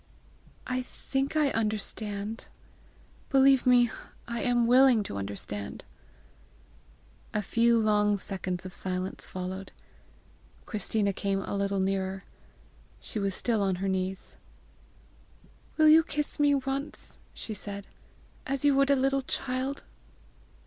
"I think I understand. Believe me, I am willing to understand." A few long seconds of silence followed. Christina came a little nearer. She was still on her knees. "Will you kiss me once," she said, "as you would a little child!"